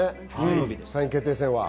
３位決定戦は。